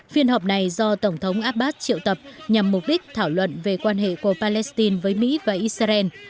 phiên họp này do tổng thống abbas triệu tập nhằm mục đích thảo luận về quan hệ của palestine với mỹ và israel